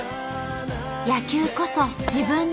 野球こそ自分の原点。